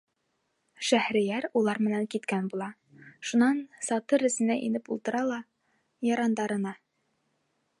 Шәһрейәр улар менән киткән була, шунан сатыр эсенә инеп ултыра ла ярандарына: